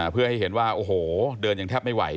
เพื่อให้เห็นว่าโอ้โหเดินยังแทบไม่ไหว